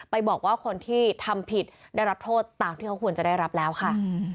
บอกว่าคนที่ทำผิดได้รับโทษตามที่เขาควรจะได้รับแล้วค่ะ